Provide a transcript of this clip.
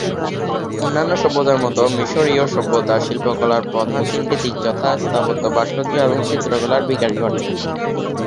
অন্যান্য সভ্যতার মতো মিশরীয় সভ্যতা শিল্পকলার প্রধান তিনটি দিক যথাঃ স্থাপত্য, ভাস্কর্য এবং চিত্রকলার বিকাশ ঘটে।